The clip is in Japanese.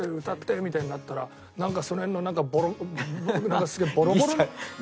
みたいになったらなんかその辺のすげえボロボロの。